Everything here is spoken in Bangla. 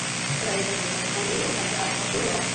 ওরা এই ঘণ্টিটা তোমাকে পরিয়ে রাখবে আর তোমাকে গরু বলে ডাকবে।